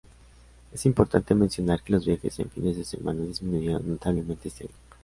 Es importante mencionar que los viajes en fines de semana disminuyeron notablemente este año.